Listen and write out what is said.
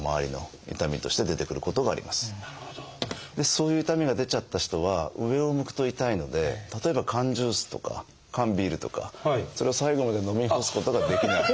そういう痛みが出ちゃった人は上を向くと痛いので例えば缶ジュースとか缶ビールとかそれを最後まで飲み干すことができない。